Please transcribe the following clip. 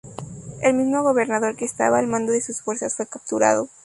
El mismo gobernador, que estaba al mando de sus fuerzas, fue capturado.